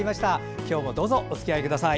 今日もどうぞおつきあいください。